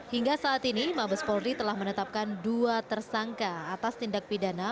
hingga saat ini mabes polri telah menetapkan dua tersangka atas tindak pidana